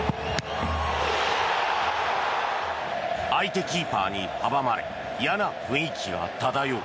相手キーパーに阻まれ嫌な雰囲気が漂う。